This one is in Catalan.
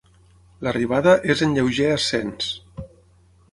L'arribada és en lleuger ascens.